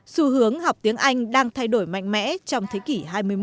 xu hướng học tiếng anh đang thay đổi mạnh mẽ trong thế kỷ hai mươi một